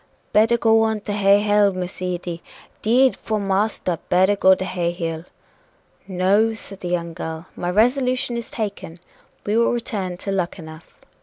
"Better go on to Hay Hill, Miss Edy! 'Deed, 'fore marster, better go to Hay Hill." "No," said the young girl, "my resolution is taken we will return to Luckenough."